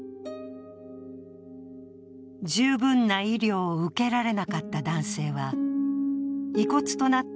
十分な医療を受けられなかった男性は遺骨となった